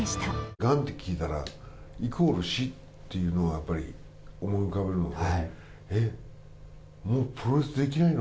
がんって聞いたら、イコール死っていうのは、やっぱり思い浮かべるので、えっ、もうプロレスできないの？